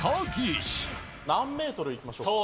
何メートルいきましょうか？